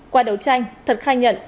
qua đấu tranh thật khai nhận